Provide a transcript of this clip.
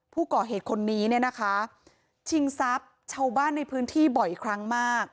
ผู้ก่อเหตุคนนี้เนี่ยนะคะชิงทรัพย์ชาวบ้านในพื้นที่บ่อยครั้งมาก